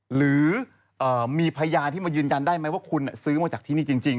หรือมีพยานที่มายืนยันได้ไหมว่าคุณซื้อมาจากที่นี่จริง